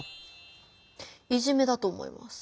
いじめだと思います。